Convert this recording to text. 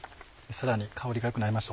さらに香りが良くなりました。